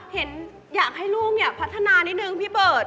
เห็นอยากให้ลูกเนี่ยพัฒนานิดนึงพี่เบิร์ต